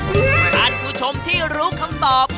หากคุณผู้ชมที่รู้คำตอบ